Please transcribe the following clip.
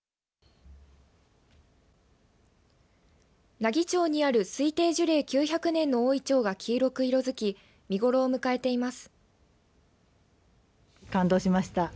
奈義町にある推定樹齢９００年の大いちょうが黄色く色づき見ごろを迎えています。